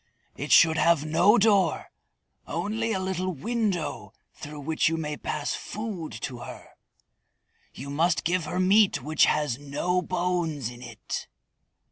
It should have no door, only a little window through which you may pass food to her. You must give her meat which has no bones in it."